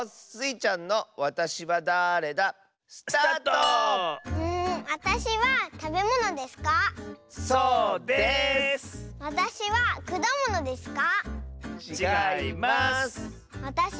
ちがいます！